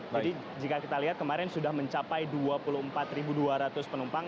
jadi jika kita lihat kemarin sudah mencapai dua puluh empat dua ratus penumpang